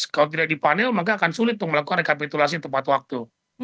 kalau tidak dipanel maka akan sulit untuk melakukan rekapitulasi tepat waktu